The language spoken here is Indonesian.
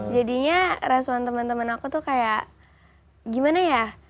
jadinya respon temen temen aku tuh kayak gimana ya